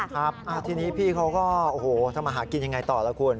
ครับทีนี้พี่เขาก็โอ้โฮจะมาหากินอย่างไรต่อแล้วคุณ